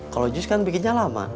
kalau jus kan bikinnya lama